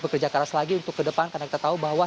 bekerja keras lagi untuk ke depan karena kita tahu bahwa